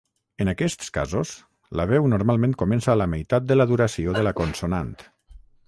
En aquests casos, la veu normalment comença a la meitat de la duració de la consonant.